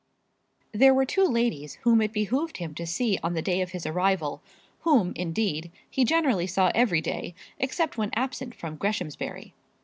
There were two ladies whom it behoved him to see on the day of his arrival whom, indeed, he generally saw every day except when absent from Greshamsbury.